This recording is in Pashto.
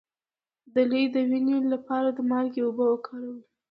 د لۍ د وینې لپاره د مالګې اوبه وکاروئ